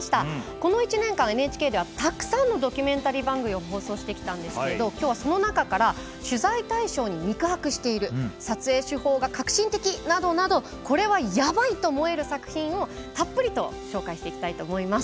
この１年間ＮＨＫではたくさんのドキュメンタリー番組を放送してきたんですけれど今日はその中から取材対象に肉薄している撮影手法が革新的などなどこれはヤバいと思える作品をたっぷりと紹介していきたいと思います。